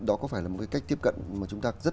đó có phải là một cái cách tiếp cận mà chúng ta rất